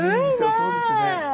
そうですね。